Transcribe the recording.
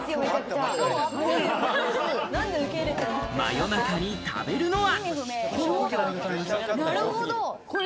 夜中に食べるのは。